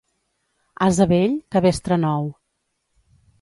Ase vell, cabestre nou.